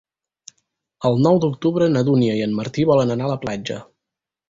El nou d'octubre na Dúnia i en Martí volen anar a la platja.